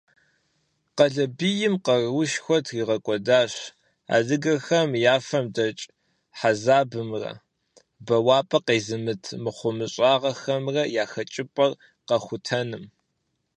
Къалэмбий къаруушхуэ тригъэкӀуэдащ адыгэхэм я фэм дэкӀ хьэзабымрэ бэуапӀэ къезымыт мыхъумыщӀагъэхэмрэ я хэкӀыпӀэр къэхутэным.